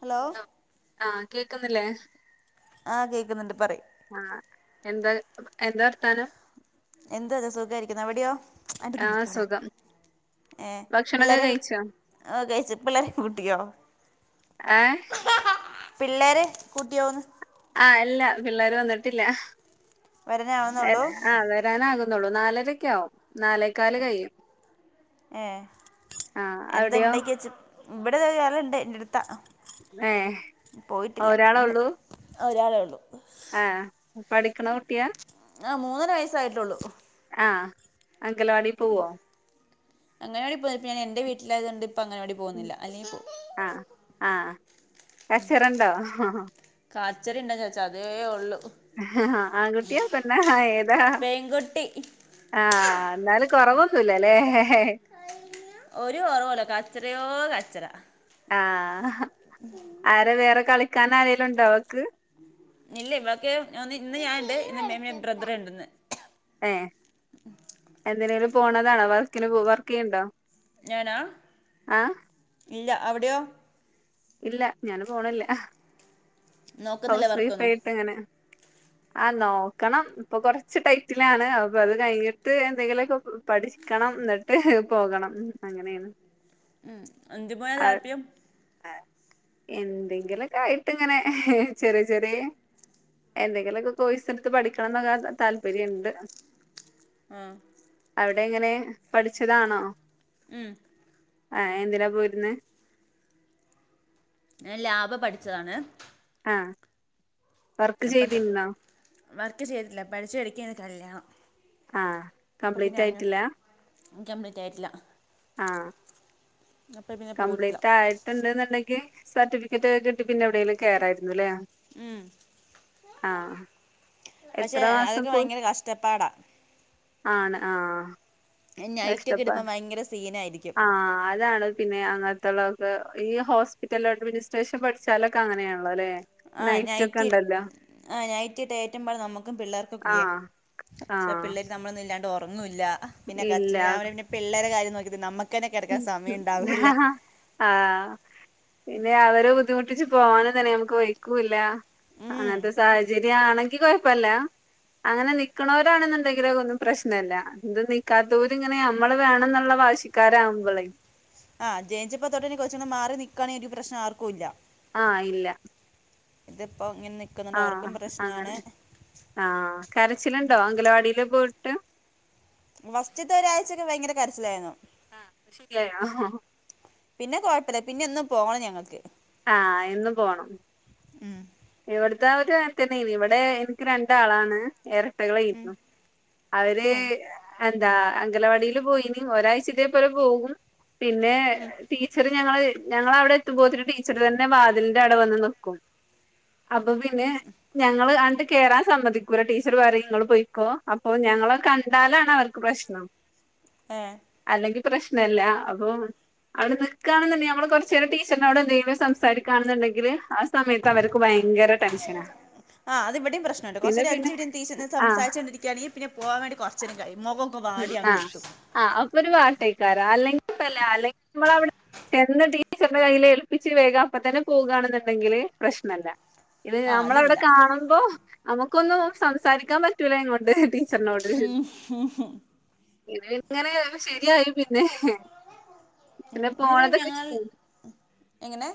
Hello ആഹ കേക്കുന്നില്ലേ ആഹ കേൾക്കുന്നുണ്ട് പറയും ആഹ എന്താ എന്താ വർത്താനം എന്തതോ സുഖാരിക്കുന്നു എവിടെയോ ആ് സുഖം ഏഹ് ഭക്ഷണൊക്കെ പിള്ളേരക്കെ കഴിച്ചോ കഴിച്ച പിള്ളേരൊക്കെ കുട്ടിയോ? ആഹ്. പിള്ളേരെ കൂട്ടിയോന്ന്? ആഹ്. ല്ല പിള്ളേര് വന്നിട്ടില്ല. വരാനാവുന്നുള്ളൂ ആഹ് വരാനാകു ന്നൊള്ളു. നാലരക്കാവും. നാലേകാല് കയ്യും. ഏഹ്. ആഹ് അവിടെയോ എന്തണ്ടാക്കിച്ച്. ഇവിടെ താ [unintelligible] ഇട്ത്താ. ഏഹ് പോയിട്ടില്ല ഒരാളെ ന്ന്. ഉള്ളൂ ഒരാളെ ഉള്ളു. ആഹ്. പഠിക്ക്ണ കുട്ടിയാ ആഹ്. മൂന്നര വയസായിട്ടുള്ളൂ. ആഹ്. അങ്കലവാടി പോവോ? അങ്ങനാടി പോന്ന. പ്പ ഞാനെന്റെ വീട്ടിലായതോണ്ട് ഇപ്പ അങ്ങനാടി പോന്നില്ല. അല്ലെങ്കി പോവും ആഹ് ആഹ്. കച്ചറണ്ടോ? കാച്ചറിണ്ടോ ചോയ്ച്ചാ അതേ ഉള്ളു. ആഹ്. ആൺകുട്ടിയാ പെണ്ണാ ഏതാ? പെൺകുട്ടി ആഹ്. ന്നാലും കൊറവൊന്നുല്ലല്ലേ? ഒര് കൊറവുല്ല. കച്ചറയോ കച്ചറ. ആഹ്. ആരെ വേറെ കളിക്കാനാരേലുണ്ടോ ഓക്ക്? ഇല്ല. വക്ക് ന്ന് ഇന്ന് ഞാൻ ഇണ്ട്. [unintelligible] ബ്രദർ ണ്ട്ന്ന്. ഏഹ്. എന്തിനേലും പോണതാണോ? വർക്കിന് വർക്കെയ്യ്ണ്ടോ? ഞാനാ. ഇല്ല അവിട്യോ? ഇല്ല. ഞാനും പോണില്ല. നോക്കുന്നില്ല ഹൗസ് വർക്കൊന്നും വൈഫായിട്ടങ്ങനെ. ആഹ് നോക്കണം. പ്പൊ കൊറച്ച് ടൈറ്റിലാണ്. അപ്പൊ അത് കയ്ഞ്ഞ്ട്ട് എന്തെങ്കിലൊക്കെ പഠിക്കണം. ന്നട്ട് പോകണം. അങ്ങനേണ്. ഉം. എന്തിന് പോവാന താല്പര്യം എന്തെങ്കിലൊക്കായിട്ട്ങ്ങനെ. ചെറ്യേ ചെറ്യേ. എന്തെങ്കിലൊക്കെ കോയ്സ്ട്ത്ത് പഠിക്കണന്നൊക്കെ താല്പര്യണ്ട്. ആഹ്. അവിടെങ്ങനെ? പഠിച്ചതാണോ? ഉം. ആഹ്. എന്തിനാ പോയിര്ന്നേ? ഞാൻ ലാബ് പഠിച്ചതാണ്. ആഹ്. [unintelligible] വർക്ക് ചെയ്തിട്ടില്ല. പഠിച്ച എടെക്കെയ്ന് കല്യാണം. ആഹ്. കംപ്ലീറ്റ് ആയ്ട്ട്ല്ല? കംപ്ലീറ്റായിട്ടില്ല. ആഹ്. പിന്നെ പോയിട്ടില്ല കംപ്ലീറ്റ് ആയിട്ട്ണ്ട്ന്ന്ണ്ടെങ്കി സർട്ടിഫിക്കറ്റൊക്കെ കിട്ടി പിന്നെവ്ടേലും കേറായിര്ന്നുലെ? ഉം. ആഹ്. പക്ഷെ, എത്ര മാസം അതൊക്കെ പോയി വയങ്കര കഷ്ടപ്പാടാ. ആണ് ആഹ്. നൈറ്റൊക്കെ കഷ്ടപ്പാ ഇടുമ്പോ ഭയങ്കര സീനായിരിക്കും. ആഹ്. അതാണ് പിന്നെ അങ്ങനത്ത്ള്ളൊക്കെ, ഈ ഹോസ്പിറ്റൽ അഡ്മിനിസ്ട്രേഷൻ പഠിച്ചാലൊക്കെ അങ്ങനേണ്ള്ളൊലേ? ആഹ്. നൈറ്റ്‌ ആഹ് നെറ്റിട്ടേറ്റുമ്പള് നമ്മുക്കും പിള്ളേർക്കും ഫ്രീയാ ആഹ് ആഹ്. നമ്മളൊന്നുല്ലാണ്ട് ഒർങ്ങുല്ല. പിന്നെ കച്ച്റ്. ഇല്ല [unintelligible] പിള്ളേരെ കാര്യം നോക്കിട്ട് നമ്മ ക്കെന്നെ കെട്ക്കാൻ സമയം ഇണ്ടാവേല്ല ആഹ് പിന്നെ അവരെ ബുദ്ധിമുട്ടിച്ച് പോവാനും തന്നെ ഞമ്മക്ക് വെയ്ക്കൂല്ല ആഹ് ഉം. അങ്ങത്തെ സാഹചര്യാണെങ്കി കൊഴപ്പല്ല അങ്ങനെ നിക്കണോരാണെന്ന്ട്ടെങ്കില് അതൊന്നും പ്രശ്നല്ല ഇത് നിക്കാത്തോര് ഇങ്ങനെ ഞമ്മള് വേണന്നുള്ള വാശിക്ക് ക്കാരാവുമ്പളെ ആഹ് ജനിച്ചപ്പോ തൊട്ടേനി കൊറച്ചൊന്ന് മാറി നിക്കാണെ ഒരു പ്രശനം ആർക്കുല്ലാ ആഹ് ഇല്ല ഇത് ഇപ്പം ഇങ്ങനെ നിക്ക്ന്നോണ്ട് ആഹ് അവർക്കും പ്രശ്നാണ് അങ്ങനെ ആഹ് കരച്ചില്ണ്ടോ അംഗലവാടില് പോയിട്ട് വസ്റ്റ്ത്തെ ഒരാഴ്ചൊക്കെ ഭയങ്കര കരച്ചിലായിനു ആഹ് ന്ന്ട്ട് ശരിയായോ പിന്നെ കൊഴപ്പല്ല പിന്നെ എന്നും പോണം ഞങ്ങൾക്ക് ആഹ് എന്നും പോണം ഉം ഇവട്ത്തെ ഓര് അങ്ങത്തന്നേനി ഇവിടെ ഇന്ക്ക് രണ്ടാളാണ് ഉം. എരട്ടകളേയിരുന്നു അവര് ഉം. ഏഹ് എന്താ അംഗലവാടില് പോയിനി ഒരാഴ്ച ഇതെ പോലെ പോകും പിന്നെ ഉം. ടീച്ചർ ഞങ്ങള് ഞങ്ങള് അവിടെ എത്തുമ്പോത്തിന് ടീച്ചർ തന്നെ വാതിലിന്റാടെ വന്ന് നിക്കും അപ്പം പിന്നെ ഞങ്ങള് ആണ്ട് കേറാൻ സമ്മതിക്കൂല ടീച്ചർ പറിയിം നിങ്ങൾ പോയിക്കോ അപ്പോ ഞങ്ങളെ കണ്ടാലാണ് അവർക്ക് പ്രശ്നം ഏഹ് അല്ലെങ്കി പ്രശ്നല്ല അപ്പം അവിടുന്ന് ക്കാണ്ന്ന്ട്ടെ ഞമ്മള് കൊറച്ചേരം ടീച്ചറിനോട് എന്തേങ്കിലും സംസാരിക്കാണ്ന്നുണ്ടെങ്കില് ആ സമയത്ത് അവരെ ആഹ് അത് ഇവെടിം പ്രശ്നണ്ട് പിന്നെ കൊറച്ചേരം അഞ്ച് പിന്നെ മിനിറ്റ് ടീച്ചറ്നെ ആഹ് സംസാരിച്ചോ ണ്ടിരിക്കാണെ പിന്നെ പോവാം വേണ്ടി കൊറച്ചേരം കഴിയും മൊഖൊ ഉം ആഹ് ആഹ് അപ്പൊ ഒരു വാട്ടയ്ക്കാരം അല്ലെങ്കിപ്പല്ലാ അല്ലെങ്കി ഇമ്മളവിടെ ചെന്ന് ടീച്ചറ്ന്റെ കയ്യിൽ ഏൽപ്പിച്ച് വേഗം അപ്പ തന്നെ പോകാണ്ന്നുണ്ടെങ്കില് പ്രശ്നല്ല ഇത് ആ ഞമ്മളെ അവിടെ അതില്ല കാണുമ്പോ നമുക്കൊന്നും സംസാരിക്കാൻ പ റ്റൂല അയിനെ കൊണ്ട് ടീച്ചർനോട്‌ [unintelligible] ഇത് പിന് ഇങ്ങനെ ശെരിയായി പിന്നെ പിന്നെ [unintelligible] പോണതൊക്കെ ഞങ്ങൾ ഉം എങ്ങനെ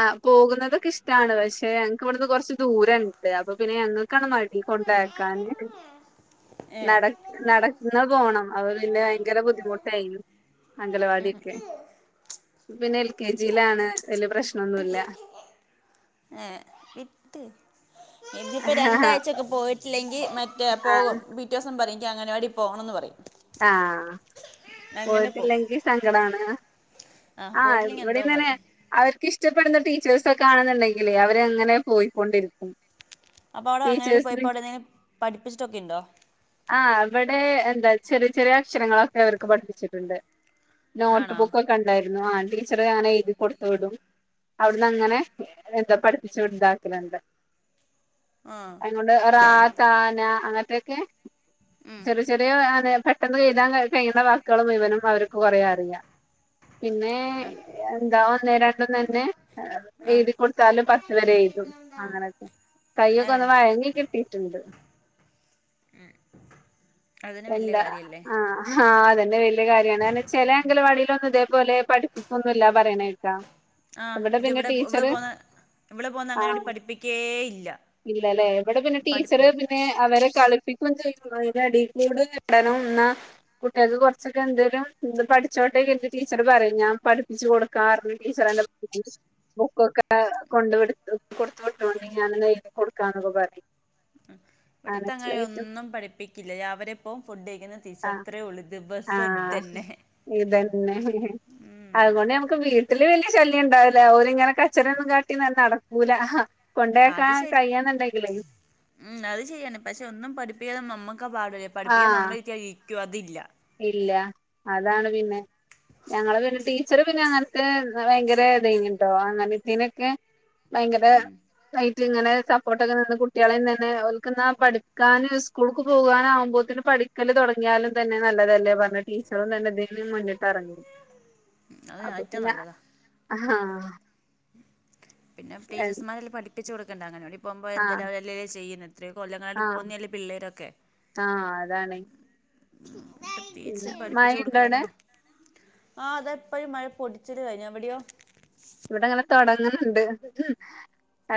ആഹ് പോകുന്നതൊക്കെ ഇഷ്ടാവ്ണ്ട് പക്ഷേ ഞ ക്ക് ഇവെട്ന്ന് കൊറച്ച് ദൂരണ്ട് അപ്പൊ പിന്നെ ഞങ്ങക്കാണ് മടി കൊണ്ടയാക്കാന് ഏ നടക് നടക്ന്നാ പോണം അപ്പം പിന്നെ ഭയങ്കര ബുദ്ധിമുട്ടായിനി അംഗലവാടീക്ക് ഉം പിന്നെ എൽ കെ ജിലാണ് വെല്ല്യ പ്രശ്നൊന്നുല്ല ഏഹ് വിട്ട് ഇതിപ്പോ രണ്ടാഴ്ച്ചെക്കെ പോയിട്ടില്ലെങ്കി മറ്റേ ആ പോവും പി റ്റോസം പറിയും ഇന്ക്ക് അങ്ങനവാടി പോണന്ന് പറിയും ആഹ് പോവും പോയിട്ടില്ലെങ്കി സങ്കടാണ് ആ ആഹ് പോയിട്ടില്ലെങ്കിൽ എന്തോ ഇവടിം മതി തന്നെ അവര്ക്ക് ഇഷ്ടപ്പെടുന്ന ടീച്ചേഴ്സൊക്കെ ആണെന്നുണ്ടെങ്കിലേ അവര് അങ്ങനെ പോയിക്കൊണ്ടിരിക്കും അപ്പോ അവ്ടെ അങ്ങനവാടി ടീച്ചേഴ്സിന് പോയപ്പോ അവടെന്തേലും പഠിപ്പിച്ചിട്ടൊക്കെണ്ടോ ആഹ് അവിടെ എന്താ ചെറിയ ചെറിയ അക്ഷരങ്ങളൊക്കെ അവർക്ക് പഠിപ്പിച്ചിട്ടുണ്ട്. നോട്ട് ആണോ ബുക്ക് ഒക്കെ ഉണ്ടായിരുന്നു ആ ടീച്ചറെ അങ്ങനെ എഴുതി കൊടുത്ത് വിടും. അവിടുന്നങ്ങനെ എന്താ പഠിപ്പിച്ചു ഇതാക്കലുണ്ട്. ആ അതൊണ്ട് റാ താ ന അങ്ങനത്തെയൊക്കെ ഉം ചെറിയ ചെറിയ പെട്ടെന്ന് എഴുതാൻ കഴിയുന്ന വാക്കുകള് മുഴുവനും അവർക്ക് കുറേ അറിയാം പിന്നെ എന്താ ഒന്നെ രണ്ടും തന്നെ ആ എഴുതി കൊടുത്താലും പത്ത് വരെ എഴുതും അങ്ങനെക്കെ കയ്യൊക്കെ ഏ ഒന്ന് വഴങ്ങി കിട്ടിയിട്ടുണ്ട് ഏഹ് എന്താ ആഹ് ആ അതന്നെ വലിയ കാര്യമാണ് ചെല അംഗനവാടിയിൽ ഒന്നും ഇതേപോലെ പഠിപ്പിക്കൊന്നുംല്ല പറയണ കേൾക്കാ. ആ ഇവിടെ പിന്നെ ഇതിവിടെ ഇവിടെ ഇവിടെ ടീച്ചറ് പോന്ന ഇവിടെ പോന്ന അങ്ങനെയായിട്ട് ആഹ് പഠിപ്പിക്കേ ഇല്ല ഇല്ലല്ലേ. എവിടെ പിന്നെ ടീച്ചർ പഠി പി അവരെ കളിപ്പിക്കുകയും ചെയ്യും അതിന്റെ ഇടയിൽ കൂടെ ഇടണം എന്ന കുട്ടികൾക്ക് കുറച്ചൊക്കെ എന്തേങ്കിലും പഠിച്ചോട്ടേ കരുതി ടീച്ചർ പറയും ഞാൻ പഠിപ്പിച്ച് കൊടുക്കാ ടീച്ചർന്റെ- ഉം ബുക്കൊക്കെ കൊണ്ട് കൊടുത്ത് കൊടുത്ത് വിട്ടോണ്ടി ഞാൻ എഴുതികൊടുക്കാന്ന് പറ ഇവിടത്തെങ്ങനെ ഒന്നും പഠിപ്പിക്കില്ല രാവിലെ പോവും ഫുഡ് കഴിക്കുന്ന് ത്തിച് അത്രയെ ഉള്ളൂ ദിവസം ഇത്തന്നെ ഇത് തന്നെ അതുകൊണ്ട് നമുക്ക് വീട്ടില് വല്യ ശല്യം ഉണ്ടാവില്ല. അവരിങ്ങനെ കച്ചറന്നും കാട്ടിനടക്കൂല അത് ശരി മം അത് ശരിയാണ് പക്ഷെ ഒന്നും പഠിപ്പിക്കാലും നമ്മക്കാ പാട് പഠിപ്പിക്കാൻ ആഹ് നമ്മള് ഇരിതിയ ഇരികൊ അതില്ല ഇല്ല അതാണ് പിന്നെ, ഞങ്ങള് പിന്നെ ടീച്ചറ് പിന്നെ അങ്ങനത്തെ ഭയങ്കര ഇതെനിട്ടോ അങ്ങനെ ഇതിനൊക്കെ ഭയങ്കര ഉം ആയിട്ട് ഇങ്ങനെ സപ്പോർട്ടൊക്കെ നിന്ന് കുട്ടികളെ തന്നെ ഓല്ക്ന്നാ പഠിക്കാനും സ്കൂൾക്ക് പോകാനും ആകുമ്പോത്തിന് പഠിക്കല് തുടങ്ങിയാലും തന്നെ നല്ലതല്ലേ പറഞ്ഞിട്ട് ടീച്ചറും തന്നെ ഇതിനും മുന്നിട്ട് ഇറങ്ങി അത് അപ്പൊ ഏറ്റവും പിന്നെ നല്ലതാ ആഹ് പിന്നെ ടീച്ചേഴ്സ്മാരെല്ലേ പഠിപ്പിച്ച് കൊടുക്കണ്ട അംഗൻവാടി പോകുമ്പോ എന്തലും ആഹ് അവരല്ലേ ചെയ്യുന്നത് ഇത്രയും കൊല്ലങ്ങളായിട്ട് ആഹ് പോകുന്നതല്ലേ പിള്ളേരൊക്കെ ആഹ് അതാണ് പ്രത്യേകിച്ച് പിന്നെ പഠിപ്പിച്ചു മഴയുണ്ടോ കൊടുക്കലന്ന അവിടെ മാ- ആഹ് അതെപ്പോഴും മഴ പൊടിചില് കഴിഞ്ഞ എവിടെയോ ഇവിടെ ഇങ്ങനെ തൊടങ്ങുന്നുണ്ട്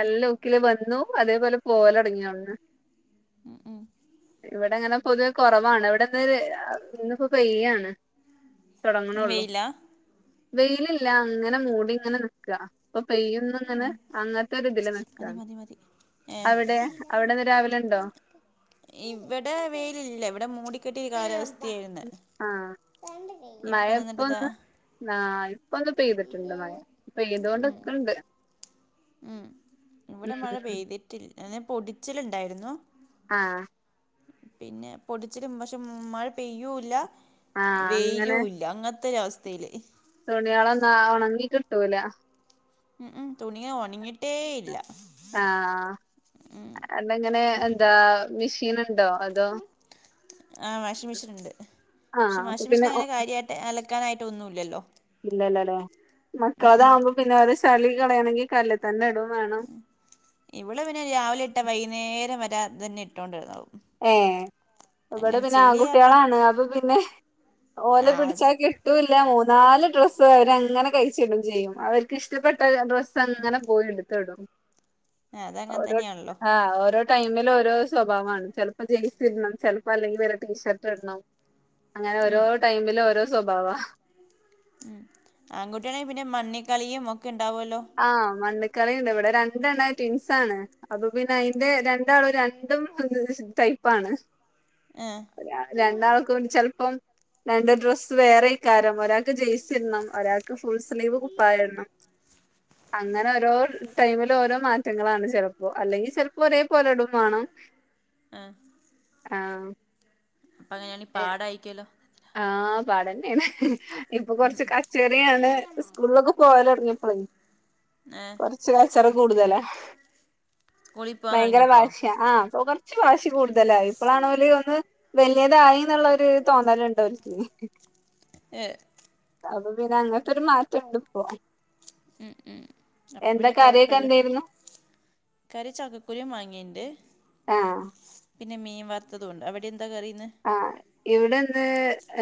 ഏ ഊക്കില് വന്നു അതേപോലെ പോവല് തുടങ്ങിയൊന്നു. ഉം ഉം ഇവിടെ അങ്ങനെ പൊതുവെ കുറവാണ്, ഇവിടെന്ന് ഇന്നിപ്പോ പെയ്യാണ്. ഇന്ന് തുടങ്ങണള്ളു വെയിലാ വെയിലില്ല അങ്ങനെ മൂടി അങ്ങനെനിക്ക ഇപ്പൊ പെയ്യുന്ന അങ്ങനെ അങ്ങനതൊരു ഷ് ഷ് മതി മതി ഏഹ് അവിടെന്ന് രാവിലെ ഉണ്ടോ ഇവിടെ വെയിലില്ല ഇവിടെ മൂടിക്കെട്ടിയ കാലാവസ്ഥ ആഹ് മഴ ഇപ്പം നിന്നിട്ടിതാ ഇപ്പോന്ന് ആഹ് ഇപ്പോ ഒന്ന് പെയ്തിട്ടുണ്ട് മഴ. ഇപ്പൊ പെയ്തൊണ്ട് നിക്ണ്ട് മം ഇവിടെ മഴ ഉം പെയ്തിട്ടില്ല അതെ പൊടിചില് ഉണ്ടായിരുന്നു ആഹ് പിന്നെ പൊടിച്ചലും പക്ഷെ മഴ പെയ്യൂല്ല ആഹ് അങ്ങനെ വെയിലും ഇല്ല അങ്ങനതൊരു അവസ്ഥയില് തുണികളൊന്നും ഉണങ്ങി കിട്ടൂല ഉം ഉം തുണിയേ ഉണങ്ങിട്ടേ ഇല്ല ആഹ് അങ്ങനെ എന്താ മെഷീൻ ഉണ്ടോ അതോ ആഹ് വാഷിംഗ് മെഷീൻ ഉണ്ട് ആഹ് പക്ഷെ അപ്പൊ വാഷിംഗ് പിന്നെ മെഷീൻ ഒ അങ്ങനെ കാര്യയി - അലക്കാനായിട്ടൊന്നുല്ലല്ലോ ഇല്ലല്ലല്ലേ മക്കളതആകുമ്പോ പിന്നെ അത് ചളി കളയണമെങ്കിൽ കല്ലല് തന്നെ ഇടവും വേണം ഇവിടെ പിന്നെ രാവിലെ ഇട്ടാ വൈകുന്നേരം വരെ അത് തന്നെ ഇട്ടോട്ട് കിടന്നോളും ഏയെ ഇവിടെ പിന്നെ ആൺകുട്ടികളാണ് അപ്പൊ പിന്നെ ഓല ആ പിടിച്ചകി- ട്ടുല്ല മൂന്നാല് ഡ്രസ്സ് അവര അങ്ങനെ കഴിച്ചിടും ചെയ്യും അവർക്ക് ഇഷ്ടപ്പെട്ട ഡ- ങ്ങനെ പോയി എടുത്തിടും ആ, അതങ്ങനെ ഓരോ തന്നെയാണല്ലോ ആഹ് ഓരോ ടൈമിൽ ഓരോ സ്വഭാവമാണ് ചിലപ്പോ ജേഴ്സി ഇടണം ചിലപ്പോ അല്ലെങ്കിൽ ടീഷർട്ട് ഇടണം അങ്ങനെ ഓരോ ഉം. ടൈമില് ഓരോ സ്വഭാവ ഉം ആൺകുട്ടിയാണെങ്കിൽ പിന്നെ മണ്ണിക്കളിയും ഒക്കെ ഉണ്ടാവല്ലോ ആഹ് മണ്ണ്ക്കളിണ്ട് ഇവിടെ രണ്ടെണ്ണം ട്വിൻസാണ് അപ്പൊ പിന്നെ അയിന്റെ രണ്ടാളും രണ്ടും ടൈപ്പാണ് ഏഹ് ഞാന് രണ്ടാൾക്ക് ചെൽപ്പം രണ്ട് ഡ്രസ്സ് വേറെയ്കാരം ഒരാൾക്ക് ജെയിസ് ഇടണം ഒരാൾക്ക് ഫുൾ സ്ലീവ് കുപ്പായ ഇടണം അങ്ങനെ ഓരോ ടൈമിൽ ഓരോ മാറ്റങ്ങളാണ് ചെലപ്പോ അല്ലെങ്കിൽ ചെൽപ്പോ ഒരേ പോലെടും വേണം ഏഹ് ആഹ് അപ്പൊ അങ്ങനെയാണീ പാടായിക്കല്ലോ ആഹ് പാടന്നാണ് ഇപ്പൊ കൊർച്ച് കച്ച റയാണ് സ്കൂളിലൊക്കെ പോവലൊടങ്ങിയപ്പളെ ഏഹ് കൊർച് കച്ചറ കൂടുതല സ്കൂളിൽ പോകാൻ ഭയങ്കര തുടങ്ങിയപ്പോഴോ വാശിയ ആഹ് ച്ച് വാശി കൂടുതലായി ഇപ്പളാണോല് ഒന്ന് വലിയതായി എന്നുള്ളരു തോന്നലുണ്ട് പരിസ്ഥിതി ഏഹ് അത് പിന്നെ അങ്ങനത്തെരു മാറ്റംണ്ട് ഇപ്പോ ഉം ഉം അപ്പം എന്താ പിന്നെ കറിയൊക്കെ കുഴപ്പമില്ല എന്തായിരുന്നു കറി ചക്കക്കുരും മങ്ങേണ്ട് ആഹ് പിന്നെ മീൻ വാർത്തതും ഉണ്ട് അവിടെ എന്താ കറി ഇന്ന് ആഹ് ഇവിടെന്ന്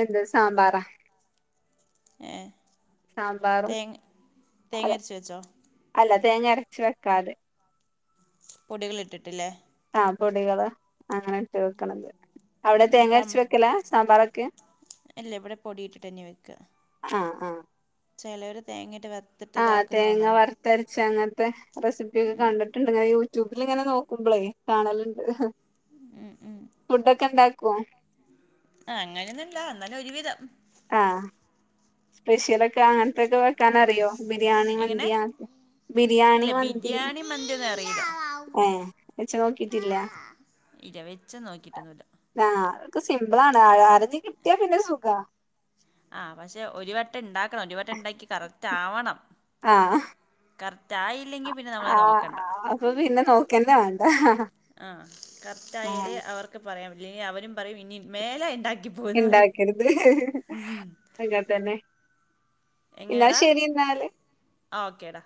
എന്താ സാമ്പാറാ ഏഹ് സാമ്പാറും തേങ്ങ അല്ല തേങ്ങ അരച്ച് വെച്ചോ അല്ല തേങ്ങ അരച്ച് വെക്കാതെ പൊടികൾ ഇട്ടിട്ടില്ലേ ആഹ് പൊടികള് അങ്ങനെ ഇട്ട് വെക്കണത് അവിടെ ഉം, തേങ്ങ സാം അരച്ച് വെക്കല സാമ്പാറൊക്ക് ഇല്ല ഇവിടെ പൊടി ഇട്ടിട്ട് ആഹ് ആഹ് ചിലോര് തേങ്ങിട്ട് വ ആഹ് തേങ്ങ വറുത്തരച്ച് അങ്ങനത്തെ റെസിപ്പിയൊക്കെ ഉം കണ്ടിട്ട് ണ്ട് ഞ യൂട്യൂബിൽ ഇങ്ങനെ നോക്കുമ്പോളേ കാണലുണ്ട്, ഉം ഉം ഫുഡ് ഒക്കെ ഇണ്ടാക്കൊ? അങ്ങനെയൊന്നും ഇല്ല എന്നാലും ഒരു വിധം, ആഹ് സ്പെഷ്യലൊക്കെ അങ്ങനത്തെൊക്കെ വെക്കാനറിയോ ബിരിയാണി, എങ്ങനെ മന്തിയാക്കെ? ബിരിയാണി, ഇല്ല മന്തി ബിരിയാണി മന്തിയൊന്നും അറിയില്ല ഏഹ് വച്ച് നോക്കിട്ടില്ല, ഇല്ല വെച്ച് നോക്കിയിട്ടൊന്നുംല്ല, ആഹ് അതൊക്കെ സിമ്പിളാണ് ആരോന്നിന കിട്ടിയാ പിന്നെ സുഖ, ആഹ് പക്ഷെ ഒരു വട്ടം ഉണ്ടാക്കണം, ഒരു വട്ടം ഉണ്ടാക്കി കറക്റ്റ് ആവണം, ആഹ്, കറക്റ്റ് ആയില്ലെങ്കിൽ പിന്നെ നമ്മള് നോക്കണ്ട, ആഹ് അപ്പൊ പിന്നെ നോക്കന്നെ വേണ്ട, ആഹ് കറക്റ്റ് ആയാലേ ആഹ് അവർക്ക് പറയാം ല്ലേ അവരും പറയും ഇനി മേലെ ഉണ്ടാക്കി ഉണ്ടാക്കരുത് അങ്ങെ തന്നെ, എന്നാ എങ്ങനെടാ ശരി എന്നാല്. ആഹ് ഓക്കേടാ,